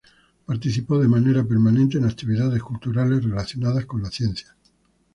Participó de manera permanente en actividades culturales relacionadas con la ciencia.